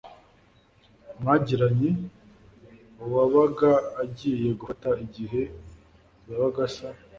mwagiranye. uwabaga agiye gufata igihe yabaga asa